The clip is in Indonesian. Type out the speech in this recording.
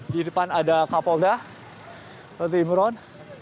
di depan ada kapolda roti imron